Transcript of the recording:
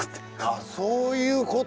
あっそういうこと。